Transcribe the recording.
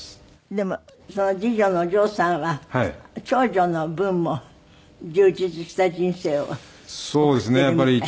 でもその次女のお嬢さんは長女の分も充実した人生を送っているみたい？